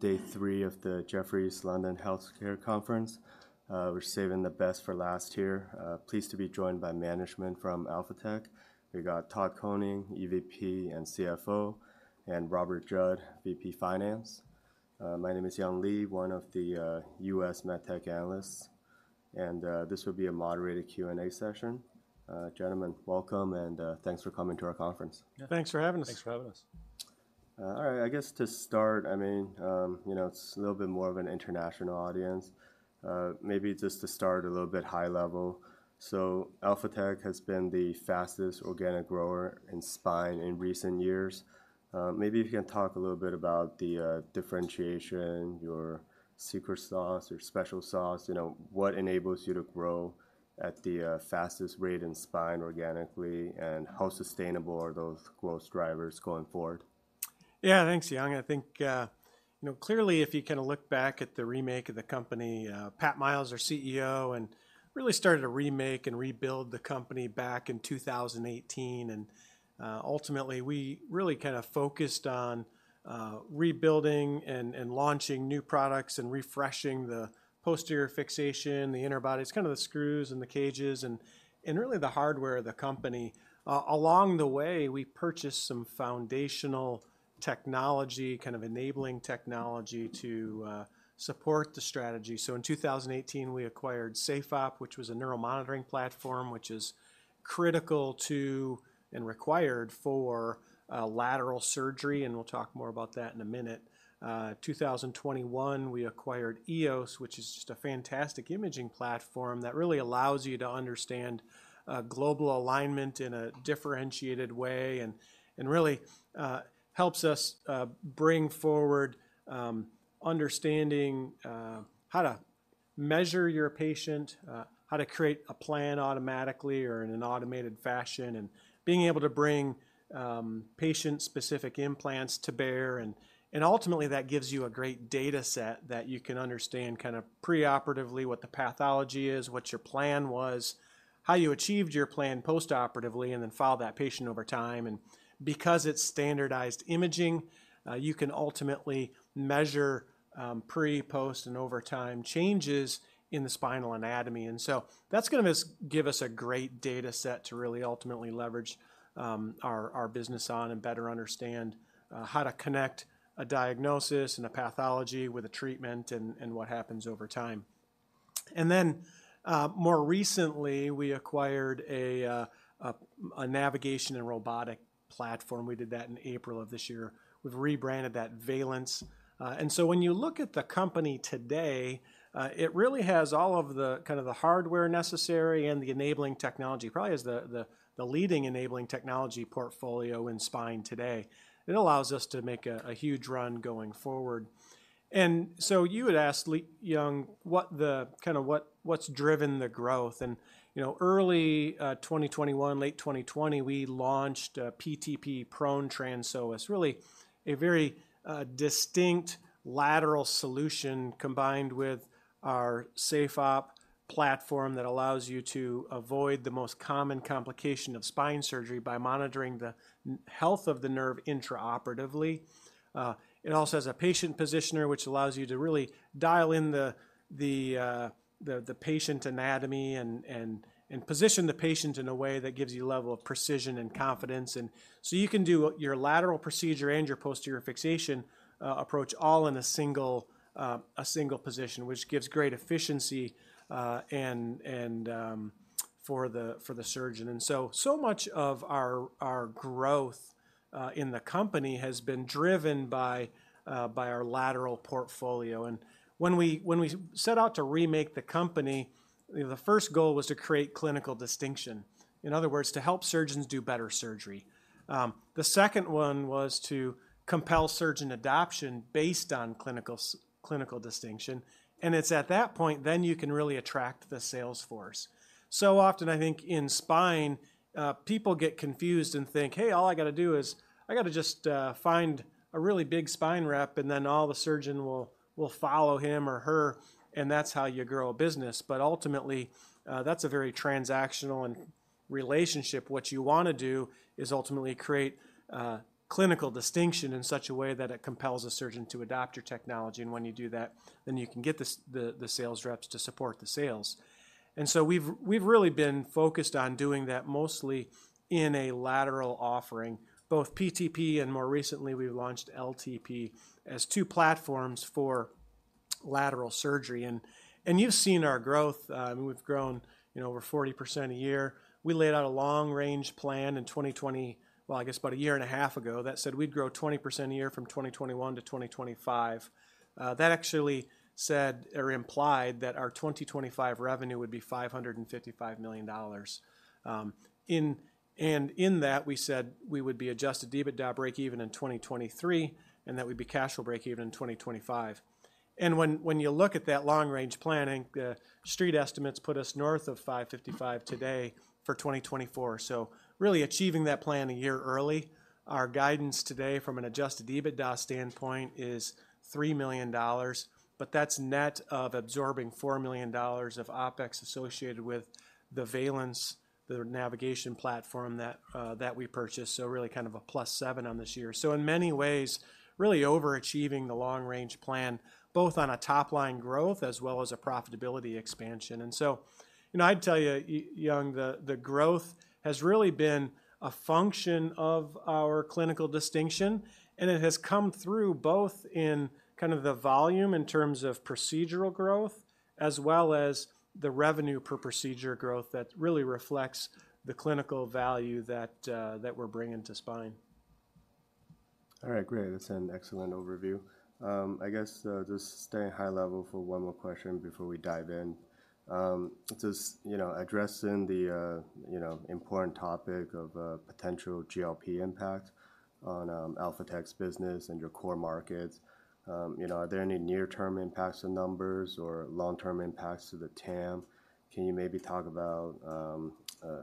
Day three of the Jefferies London Healthcare Conference. We're saving the best for last here. Pleased to be joined by management from Alphatec. We've got Todd Koning, EVP and CFO, and Robert Judd, VP Finance. My name is Young Li, one of the US MedTech analysts, and this will be a moderated Q&A session. Gentlemen, welcome, and thanks for coming to our conference. Thanks for having us. Thanks for having us. All right. I guess to start, I mean, you know, it's a little bit more of an international audience. Maybe just to start a little bit high level. So Alphatec has been the fastest organic grower in spine in recent years. Maybe if you can talk a little bit about the differentiation, your secret sauce or special sauce, you know, what enables you to grow at the fastest rate in spine organically, and how sustainable are those growth drivers going forward? Yeah, thanks, Young. I think, you know, clearly, if you kinda look back at the remake of the company, Pat Miles, our CEO, and really started to remake and rebuild the company back in 2018, and, ultimately, we really kind of focused on, rebuilding and launching new products and refreshing the posterior fixation, the interbodies, kind of the screws and the cages, and really the hardware of the company. Along the way, we purchased some foundational technology, kind of enabling technology to support the strategy. So in 2018, we acquired SafeOp, which was a neuromonitoring platform, which is critical to and required for, lateral surgery, and we'll talk more about that in a minute. 2021, we acquired EOS, which is just a fantastic imaging platform that really allows you to understand global alignment in a differentiated way and really helps us bring forward understanding how to measure your patient, how to create a plan automatically or in an automated fashion, and being able to bring patient-specific implants to bear. And ultimately, that gives you a great data set that you can understand kind of preoperatively what the pathology is, what your plan was, how you achieved your plan postoperatively, and then follow that patient over time. And because it's standardized imaging, you can ultimately measure pre, post, and over time changes in the spinal anatomy. That's gonna give us a great data set to really ultimately leverage our business on and better understand how to connect a diagnosis and a pathology with a treatment and what happens over time. Then, more recently, we acquired a navigation and robotic platform. We did that in April of this year. We've rebranded that Valence. And so when you look at the company today, it really has all of the kind of the hardware necessary and the enabling technology. Probably is the leading enabling technology portfolio in spine today. It allows us to make a huge run going forward. And so you had asked, Young Li, what kinda what's driven the growth and, you know, early 2021, late 2020, we launched PTP Prone Transpsoas. Really a very distinct lateral solution combined with our SafeOp platform that allows you to avoid the most common complication of spine surgery by monitoring the health of the nerve intraoperatively. It also has a patient positioner, which allows you to really dial in the patient anatomy and position the patient in a way that gives you a level of precision and confidence. And so you can do your lateral procedure and your posterior fixation approach all in a single position, which gives great efficiency and for the surgeon. And so much of our growth in the company has been driven by our lateral portfolio. When we, when we set out to remake the company, the first goal was to create clinical distinction, in other words, to help surgeons do better surgery. The second one was to compel surgeon adoption based on clinical distinction, and it's at that point, then you can really attract the sales force. Often, I think in spine, people get confused and think, "Hey, all I gotta do is I gotta just find a really big spine rep, and then all the surgeon will follow him or her, and that's how you grow a business." Ultimately, that's a very transactional and relationship. What you wanna do is ultimately create clinical distinction in such a way that it compels a surgeon to adopt your technology. When you do that, then you can get the sales reps to support the sales. And so we've really been focused on doing that, mostly in a lateral offering, both PTP and more recently, we've launched LTP as two platforms for lateral surgery. And you've seen our growth. We've grown, you know, over 40% a year. We laid out a long-range plan in 2020. Well, I guess about a year and a half ago, that said we'd grow 20% a year from 2021 to 2025. That actually said or implied that our 2025 revenue would be $555 million. And in that, we said we would be Adjusted EBITDA break even in 2023, and that we'd be cash flow break even in 2025. When you look at that long-range planning, the street estimates put us north of $555 million today for 2024. So really achieving that plan a year early.... Our guidance today from an Adjusted EBITDA standpoint is $3 million, but that's net of absorbing $4 million of OpEx associated with the Valens, the navigation platform that we purchased. So really kind of a +7 on this year. So in many ways, really overachieving the long range plan, both on a top-line growth as well as a profitability expansion. And so, you know, I'd tell you, Young, the growth has really been a function of our clinical distinction, and it has come through both in kind of the volume in terms of procedural growth, as well as the revenue per procedure growth that really reflects the clinical value that we're bringing to spine. All right, great. That's an excellent overview. I guess, just staying high level for one more question before we dive in. Just, you know, addressing the, you know, important topic of potential GLP impact on Alphatec's business and your core markets. You know, are there any near-term impacts on numbers or long-term impacts to the TAM? Can you maybe talk about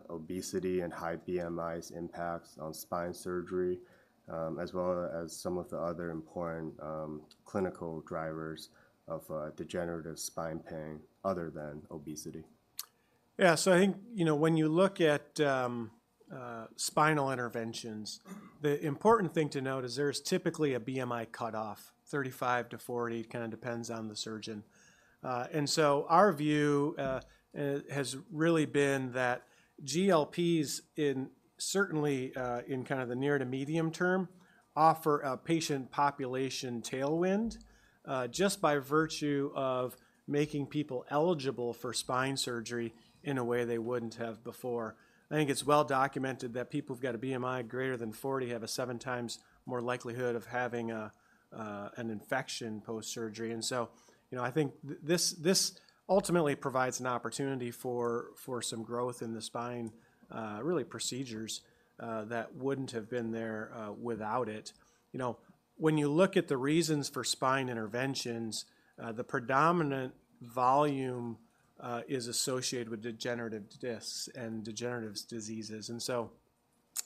obesity and high BMIs impacts on spine surgery, as well as some of the other important clinical drivers of degenerative spine pain other than obesity? Yeah. So I think, you know, when you look at spinal interventions, the important thing to note is there's typically a BMI cutoff, 35-40, kind of depends on the surgeon. And so our view has really been that GLPs in certainly in kind of the near to medium term, offer a patient population tailwind, just by virtue of making people eligible for spine surgery in a way they wouldn't have before. I think it's well documented that people who've got a BMI greater than 40 have a 7 times more likelihood of having an infection post-surgery. And so, you know, I think this ultimately provides an opportunity for some growth in the spine, really, procedures, that wouldn't have been there without it. You know, when you look at the reasons for spine interventions, the predominant volume is associated with degenerative discs and degenerative diseases. And so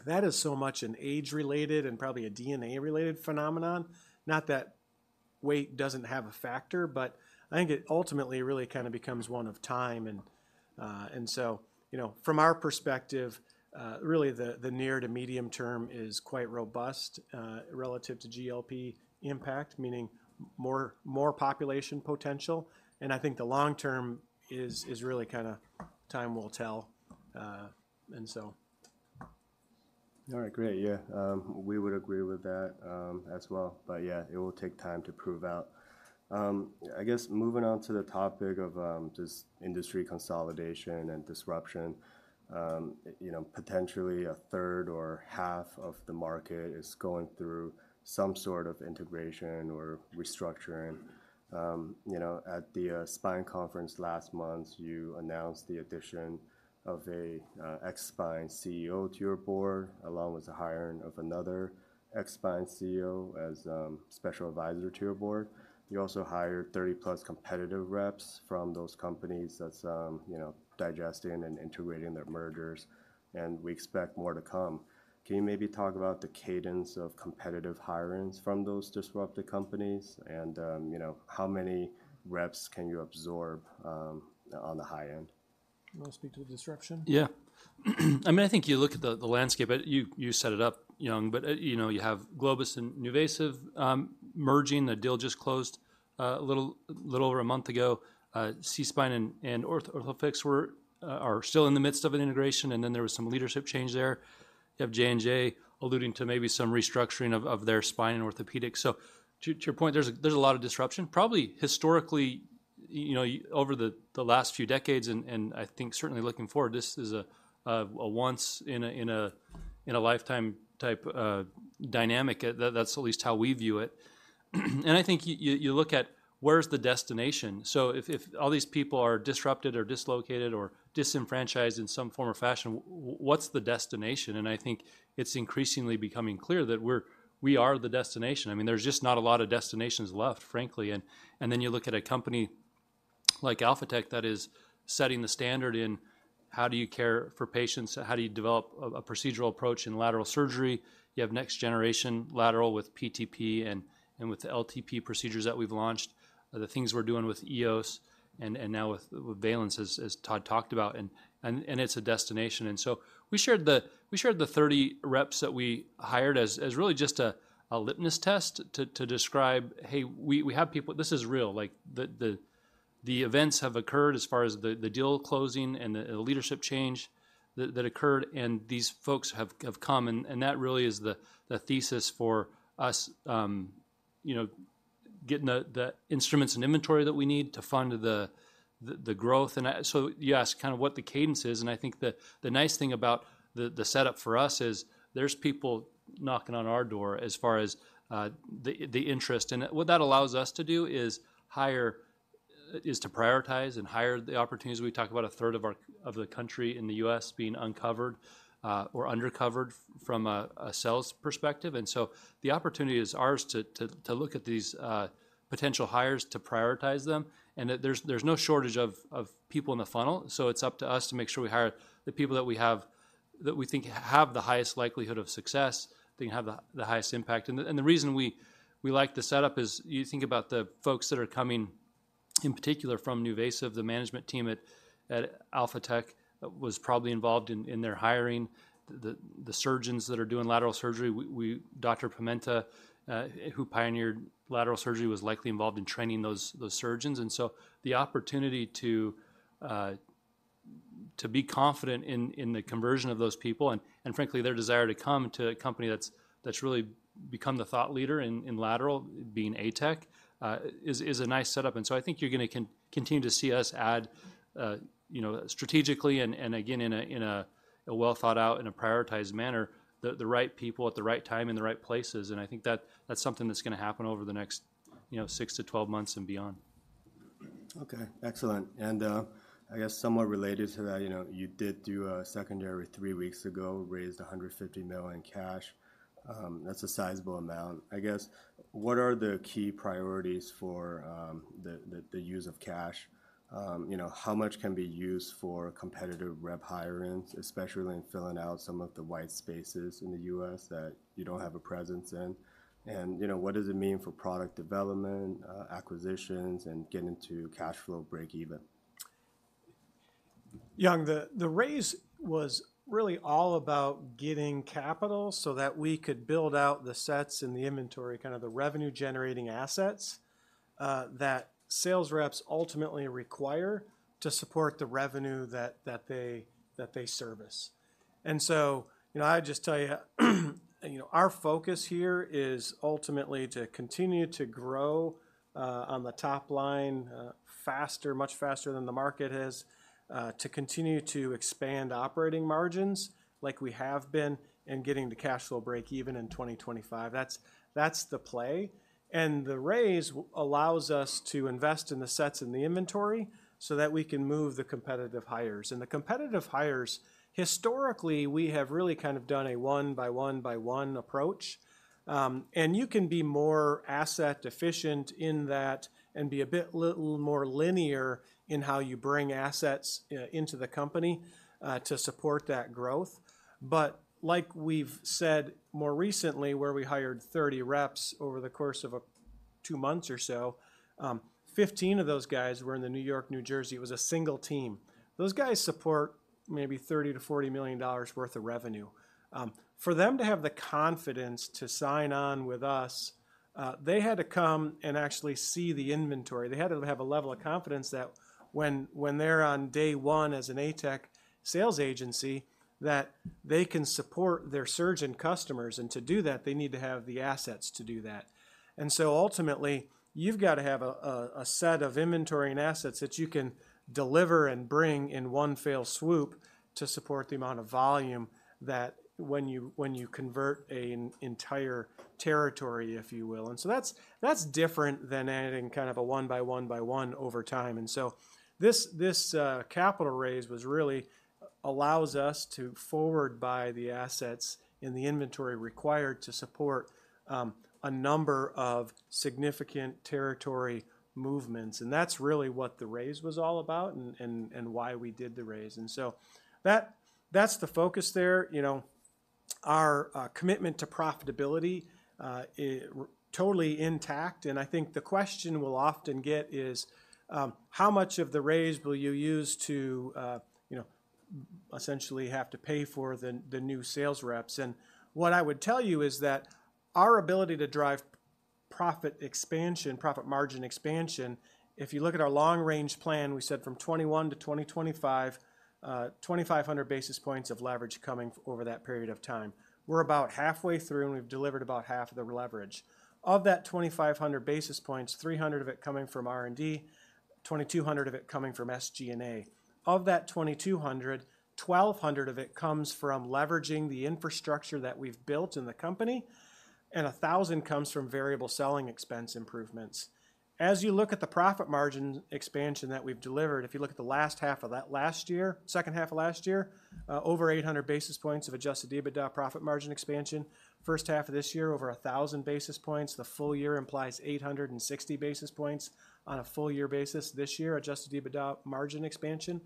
that is so much an age-related and probably a DNA-related phenomenon. Not that weight doesn't have a factor, but I think it ultimately really kind of becomes one of time and. And so, you know, from our perspective, really, the near to medium term is quite robust, relative to GLP impact, meaning more population potential. And I think the long term is really kind of time will tell, and so. All right, great. Yeah. We would agree with that, as well. But yeah, it will take time to prove out. I guess moving on to the topic of, just industry consolidation and disruption, you know, potentially a third or half of the market is going through some sort of integration or restructuring. You know, at the, Spine Conference last month, you announced the addition of a, ex-Spine CEO to your board, along with the hiring of another ex-Spine CEO as, special advisor to your board. You also hired 30+ competitive reps from those companies that's, you know, digesting and integrating their mergers, and we expect more to come. Can you maybe talk about the cadence of competitive hirings from those disrupted companies? And, you know, how many reps can you absorb, on the high end? You want to speak to the disruption? Yeah. I mean, I think you look at the landscape, but you set it up, Young, but you know, you have Globus and NuVasive merging. The deal just closed a little over a month ago. SeaSpine and Orthofix are still in the midst of an integration, and then there was some leadership change there. You have J&J alluding to maybe some restructuring of their spine and orthopedics. So to your point, there's a lot of disruption, probably historically, you know, over the last few decades, and I think certainly looking forward, this is a once in a lifetime type of dynamic. That's at least how we view it. And I think you look at where's the destination? So if all these people are disrupted or dislocated or disenfranchised in some form or fashion, what's the destination? And I think it's increasingly becoming clear that we are the destination. I mean, there's just not a lot of destinations left, frankly. And then you look at a company like Alphatec that is setting the standard in how do you care for patients? How do you develop a procedural approach in lateral surgery? You have next generation lateral with PTP and with the LTP procedures that we've launched, the things we're doing with EOS and now with Valens, as Todd talked about, and it's a destination. And so we shared the 30 reps that we hired as really just a litmus test to describe, "Hey, we have people. This is real." Like, the events have occurred as far as the deal closing and the leadership change that occurred, and these folks have come, and that really is the thesis for us, you know, getting the instruments and inventory that we need to fund the growth. And so you asked kind of what the cadence is, and I think the nice thing about the setup for us is there's people knocking on our door as far as the interest. And what that allows us to do is to prioritize and hire the opportunities. We talk about a third of the country in the U.S. being uncovered or undercovered from a sales perspective. And so the opportunity is ours to look at these potential hires, to prioritize them, and that there's no shortage of people in the funnel. So it's up to us to make sure we hire the people that we have that we think have the highest likelihood of success, the highest impact. And the reason we like the setup is you think about the folks that are coming, in particular from NuVasive, the management team at Alphatec was probably involved in their hiring. The surgeons that are doing lateral surgery, Dr. Pimenta, who pioneered lateral surgery, was likely involved in training those surgeons. And so the opportunity to be confident in the conversion of those people and frankly, their desire to come to a company that's really become the thought leader in lateral, being ATEC, is a nice setup. And so I think you're gonna continue to see us add, you know, strategically and again, in a well-thought-out and a prioritized manner, the right people at the right time and the right places. I think that that's something that's gonna happen over the next, you know, 6-12 months and beyond. Okay, excellent. And, I guess somewhat related to that, you know, you did do a secondary three weeks ago, raised $150 million in cash. That's a sizable amount. I guess, what are the key priorities for the use of cash? You know, how much can be used for competitive rep hirings, especially in filling out some of the white spaces in the U.S. that you don't have a presence in? And, you know, what does it mean for product development, acquisitions, and getting to cash flow break even? Young, the raise was really all about getting capital so that we could build out the sets and the inventory, kind of the revenue-generating assets that sales reps ultimately require to support the revenue that they service. And so, you know, I'd just tell you, you know, our focus here is ultimately to continue to grow on the top line faster, much faster than the market has, to continue to expand operating margins like we have been, and getting to cash flow break-even in 2025. That's the play, and the raise allows us to invest in the sets and the inventory so that we can move the competitive hires. And the competitive hires, historically, we have really kind of done a one by one by one approach. And you can be more asset efficient in that and be a bit little more linear in how you bring assets into the company to support that growth. But like we've said more recently, where we hired 30 reps over the course of a two months or so, 15 of those guys were in the New York, New Jersey. It was a single team. Those guys support maybe $30 million-$40 million worth of revenue. For them to have the confidence to sign on with us, they had to come and actually see the inventory. They had to have a level of confidence that when they're on day one as an ATEC sales agency, that they can support their surgeon customers, and to do that, they need to have the assets to do that. Ultimately, you've got to have a set of inventory and assets that you can deliver and bring in one fell swoop to support the amount of volume that when you convert an entire territory, if you will. That's different than adding kind of a one by one by one over time. This capital raise was really allows us to forward buy the assets and the inventory required to support a number of significant territory movements, and that's really what the raise was all about and why we did the raise. That's the focus there. You know, our commitment to profitability is totally intact, and I think the question we'll often get is: How much of the raise will you use to, you know, essentially have to pay for the new sales reps? And what I would tell you is that our ability to drive profit expansion, profit margin expansion, if you look at our long-range plan, we said from 2021 to 2025, 2,500 basis points of leverage coming over that period of time. We're about halfway through, and we've delivered about half of the leverage. Of that 2,500 basis points, 300 of it coming from R&D, 2,200 of it coming from SG&A. Of that 2,200, 1,200 of it comes from leveraging the infrastructure that we've built in the company, and 1,000 comes from variable selling expense improvements. As you look at the profit margin expansion that we've delivered, if you look at the last half of that last year, second half of last year, over 800 basis points of Adjusted EBITDA profit margin expansion. First half of this year, over 1,000 basis points. The full year implies 860 basis points on a full year basis this year, Adjusted EBITDA margin expansion.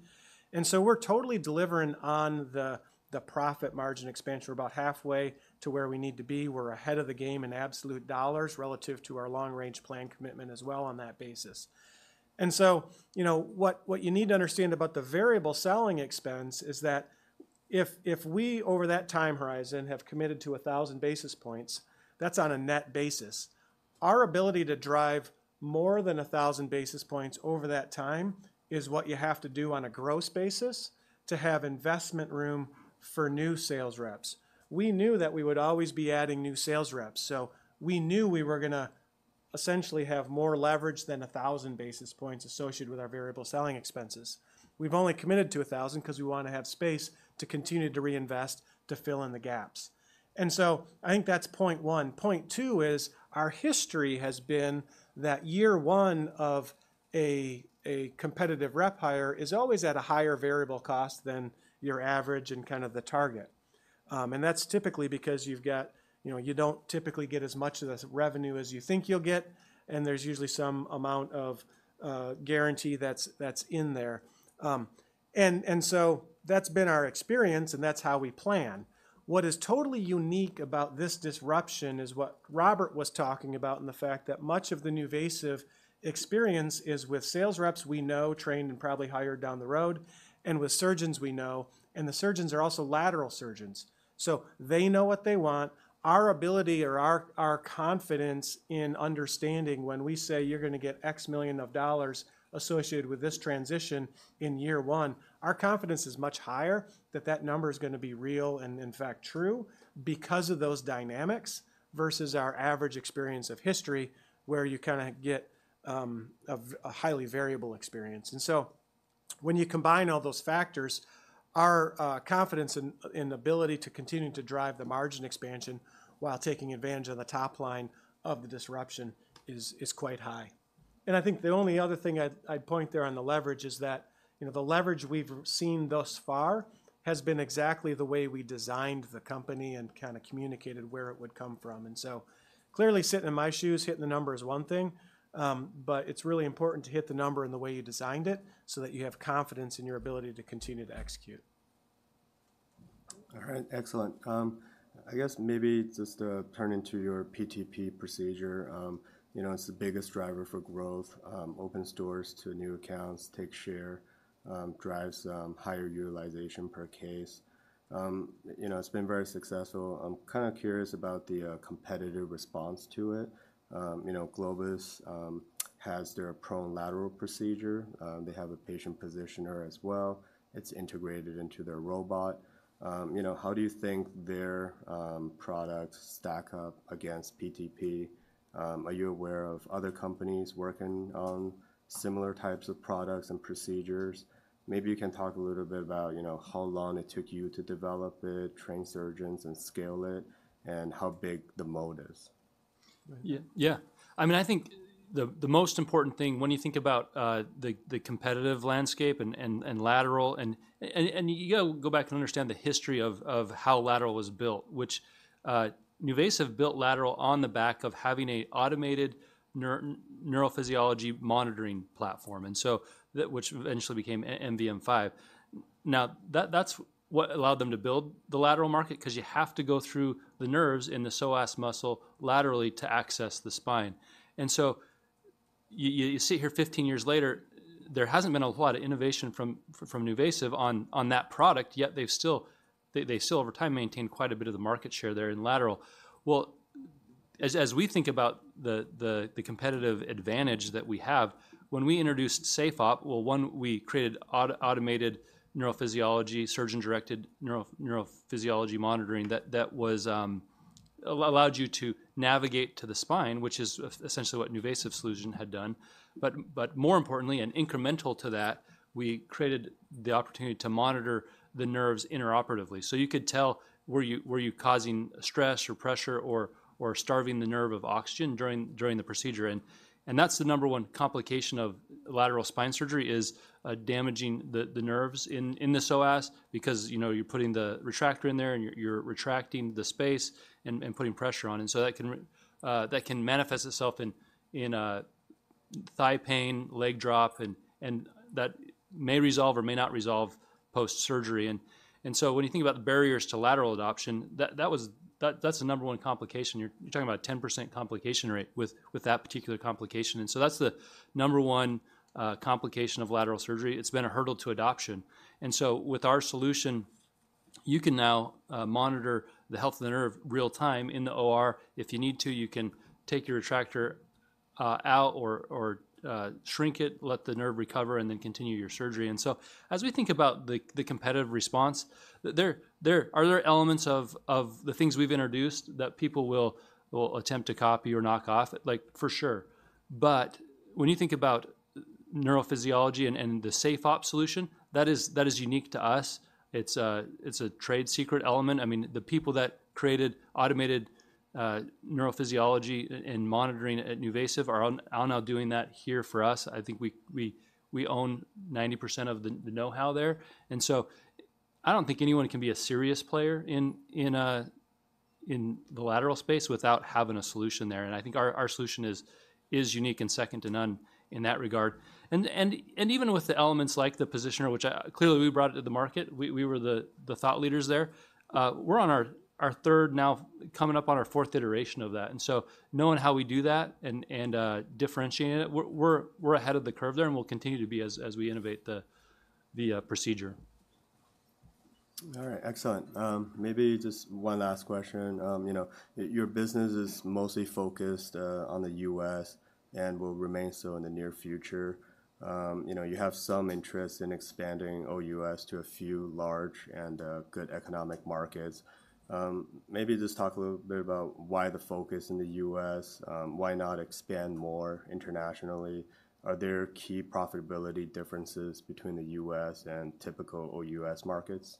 And so we're totally delivering on the, the profit margin expansion. We're about halfway to where we need to be. We're ahead of the game in absolute dollars relative to our long-range plan commitment as well on that basis. And so, you know, what, what you need to understand about the variable selling expense is that if, if we, over that time horizon, have committed to 1,000 basis points, that's on a net basis. Our ability to drive more than 1,000 basis points over that time is what you have to do on a gross basis to have investment room for new sales reps. We knew that we would always be adding new sales reps, so we knew we were gonna essentially have more leverage than 1,000 basis points associated with our variable selling expenses. We've only committed to 1,000 because we wanna have space to continue to reinvest, to fill in the gaps. And so I think that's point one. Point two is our history has been that year one of a competitive rep hire is always at a higher variable cost than your average and kind of the target. And that's typically because you've got, you know, you don't typically get as much of this revenue as you think you'll get, and there's usually some amount of guarantee that's in there. And so that's been our experience, and that's how we plan. What is totally unique about this disruption is what Robert was talking about, and the fact that much of the NuVasive experience is with sales reps we know, trained, and probably hired down the road, and with surgeons we know, and the surgeons are also lateral surgeons. So they know what they want. Our ability or our confidence in understanding when we say, "You're gonna get $X million associated with this transition in year one," our confidence is much higher that that number is gonna be real, and in fact, true because of those dynamics, versus our average experience of history, where you kinda get a highly variable experience. So when you combine all those factors, our confidence in the ability to continue to drive the margin expansion while taking advantage of the top line of the disruption is quite high. I think the only other thing I'd point there on the leverage is that, you know, the leverage we've seen thus far has been exactly the way we designed the company and kinda communicated where it would come from. Clearly sitting in my shoes, hitting the number is one thing, but it's really important to hit the number in the way you designed it, so that you have confidence in your ability to continue to execute. All right. Excellent. I guess maybe just turning to your PTP procedure, you know, it's the biggest driver for growth, opens doors to new accounts, takes share, drives higher utilization per case. You know, it's been very successful. I'm kinda curious about the competitive response to it. You know, Globus has their prone lateral procedure. They have a patient positioner as well. It's integrated into their robot. You know, how do you think their products stack up against PTP? Are you aware of other companies working on similar types of products and procedures? Maybe you can talk a little bit about, you know, how long it took you to develop it, train surgeons, and scale it, and how big the mode is. Yeah, yeah. I mean, I think the most important thing when you think about the competitive landscape and lateral, and you gotta go back to understand the history of how lateral was built, which NuVasive built lateral on the back of having an automated neurophysiology monitoring platform, and so that which eventually became NVM5. Now, that's what allowed them to build the lateral market, 'cause you have to go through the nerves in the psoas muscle laterally to access the spine. And so you sit here 15 years later, there hasn't been a lot of innovation from NuVasive on that product, yet they've still, they still, over time, maintain quite a bit of the market share there in lateral. Well, as we think about the competitive advantage that we have, when we introduced SafeOp, well, one, we created automated neurophysiology, surgeon-directed neurophysiology monitoring, that was allowed you to navigate to the spine, which is essentially what NuVasive solution had done. But more importantly, and incremental to that, we created the opportunity to monitor the nerves intraoperatively. So you could tell were you causing stress or pressure or starving the nerve of oxygen during the procedure? And that's the number one complication of lateral spine surgery, is damaging the nerves in the psoas because, you know, you're putting the retractor in there, and you're retracting the space and putting pressure on it. That can manifest itself in thigh pain, leg drop, and that may resolve or may not resolve post-surgery. So when you think about the barriers to lateral adoption, that was the number one complication. You're talking about a 10% complication rate with that particular complication, and so that's the number one complication of lateral surgery. It's been a hurdle to adoption. And so with our solution, you can now monitor the health of the nerve real time in the OR. If you need to, you can take your retractor out or shrink it, let the nerve recover, and then continue your surgery. And so as we think about the competitive response, Are there elements of the things we've introduced that people will attempt to copy or knock off? Like, for sure. But when you think about neurophysiology and the SafeOp solution, that is unique to us. It's a trade secret element. I mean, the people that created automated neurophysiology and monitoring at NuVasive are now doing that here for us. I think we own 90% of the know-how there. And so I don't think anyone can be a serious player in the lateral space without having a solution there, and I think our solution is unique and second to none in that regard. Even with the elements like the positioner, which clearly we brought it to the market, we were the thought leaders there. We're on our third now, coming up on our fourth iteration of that. And so knowing how we do that and differentiating it, we're ahead of the curve there, and we'll continue to be as we innovate the procedure. All right. Excellent. Maybe just one last question. You know, your business is mostly focused on the U.S. and will remain so in the near future. You know, you have some interest in expanding OUS to a few large and good economic markets. Maybe just talk a little bit about why the focus in the U.S., why not expand more internationally? Are there key profitability differences between the U.S. and typical OUS markets?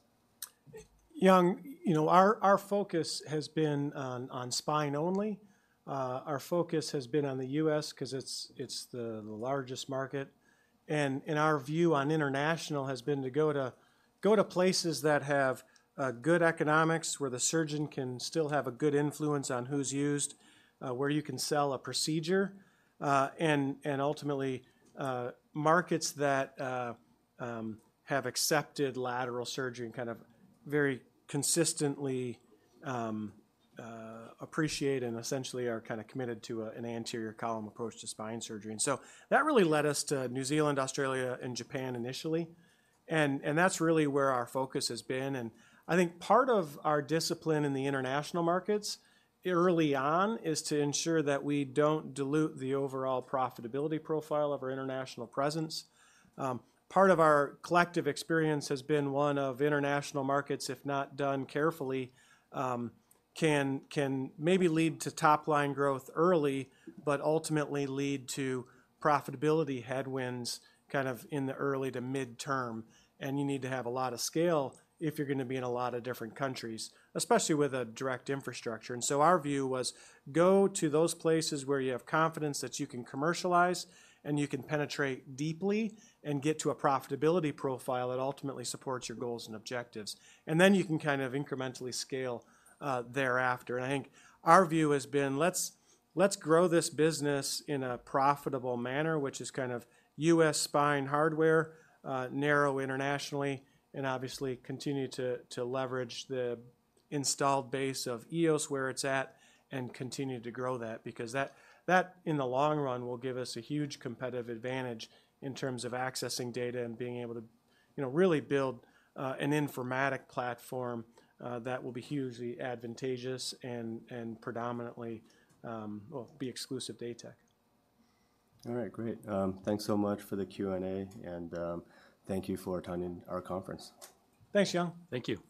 Young, you know, our focus has been on spine only. Our focus has been on the US 'cause it's the largest market, and our view on international has been to go to places that have good economics, where the surgeon can still have a good influence on who's used, where you can sell a procedure, and ultimately, markets that have accepted lateral surgery and kind of very consistently appreciate and essentially are kinda committed to an anterior column approach to spine surgery. And so that really led us to New Zealand, Australia, and Japan initially, and that's really where our focus has been. I think part of our discipline in the international markets early on is to ensure that we don't dilute the overall profitability profile of our international presence. Part of our collective experience has been one of international markets, if not done carefully, can maybe lead to top-line growth early, but ultimately lead to profitability headwinds kind of in the early to mid-term, and you need to have a lot of scale if you're gonna be in a lot of different countries, especially with a direct infrastructure. And so our view was go to those places where you have confidence that you can commercialize, and you can penetrate deeply and get to a profitability profile that ultimately supports your goals and objectives, and then you can kind of incrementally scale thereafter. And I think our view has been, let's grow this business in a profitable manner, which is kind of U.S. Spine hardware, narrow internationally, and obviously continue to leverage the installed base of EOS where it's at and continue to grow that because that, in the long run, will give us a huge competitive advantage in terms of accessing data and being able to, you know, really build an informatic platform that will be hugely advantageous and predominantly, well, be exclusive to ATEC. All right. Great. Thanks so much for the Q&A, and thank you for attending our conference. Thanks, Young. Thank you.